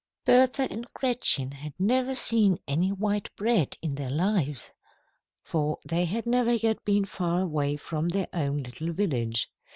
Bertha and Gretchen had never seen any white bread in their lives, for they had never yet been far away from their own little village.